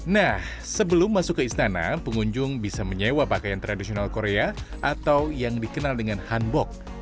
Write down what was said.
nah sebelum masuk ke istana pengunjung bisa menyewa pakaian tradisional korea atau yang dikenal dengan hanbok